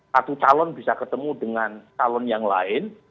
satu calon bisa ketemu dengan calon yang lain